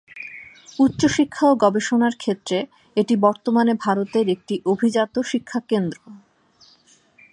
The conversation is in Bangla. উচ্চশিক্ষা ও গবেষণার ক্ষেত্রে এটি বর্তমানে ভারতের একটি অভিজাত শিক্ষাকেন্দ্র।